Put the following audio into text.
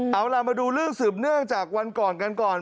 เอาล่ะมาดูเรื่องสืบเนื่องจากวันก่อนกันก่อน